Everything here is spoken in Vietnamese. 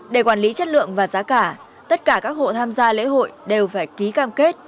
để quản lý chất lượng và giá cả tất cả các hộ tham gia lễ hội đều phải ký cam kết